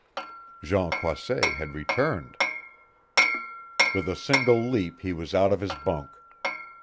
Jean Croisset had returned! With a single leap he was out of his bunk.